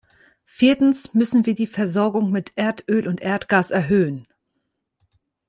Viertens müssen wir die Versorgung mit Erdöl und Erdgas erhöhen.